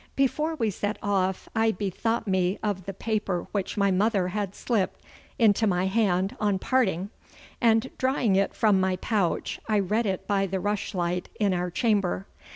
Before we set off I bethought me of the paper which my mother had slipped into my hand on parting, and drawing it from my pouch I read it by the rushlight in our chamber.